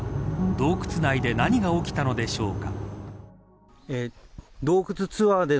洞窟内で何が起きたのでしょうか。